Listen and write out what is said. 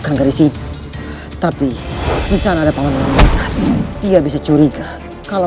sebaiknya aku solat dulu dan berdoa minta tolong kepada allah